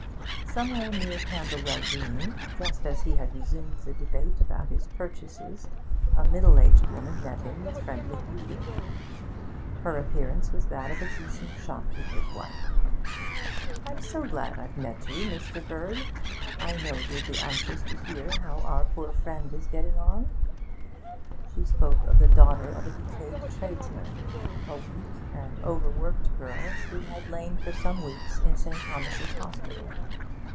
Somewhere near Camberwell Green, just as he had resumed the debate about his purchases, a middle aged woman met him with friendly greeting. Her appearance was that of a decent shopkeeper's wife. 'I'm so glad I've met you, Mr. Bird. I know you'll be anxious to hear how our poor friend is getting on.' She spoke of the daughter of a decayed tradesman, a weak and overworked girl, who had lain for some weeks in St. Thomas's Hospital.